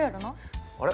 あれ？